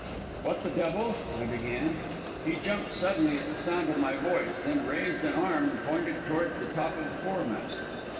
"What the devil " I began. He jumped suddenly at the sound of my voice, then raised an arm and pointed toward the top of the foremast.